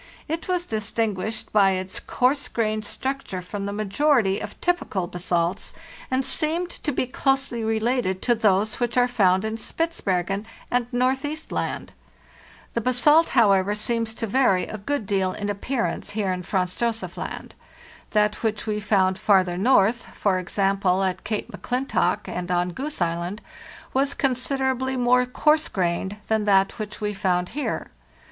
It was distinguished by its coarse grained structure from the majority of typical basalts, and seemed to be closely related to those which are found in Spitzbergen and Northeast Land.* The _ ba salt, however, seems to vary a good deal in appearance * Where they are generally called diabases. 554 PARTHEST NORTH here in Franz Josef Land. That which we found farther north — for example, at Cape M'Clintock and on Goose [sland—was considerably more coarse grained than that which we found here.